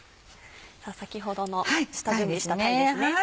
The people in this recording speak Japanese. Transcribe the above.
先ほどの下準備した鯛ですね。